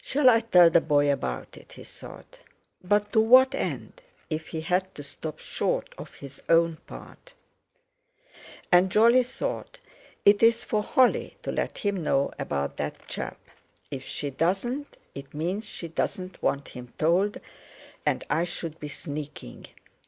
"Shall I tell the boy about it?" he thought. But to what end—if he had to stop short of his own part? And Jolly thought: "It's for Holly to let him know about that chap. If she doesn't, it means she doesn't want him told, and I should be sneaking.